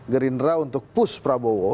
gerindra untuk push prabowo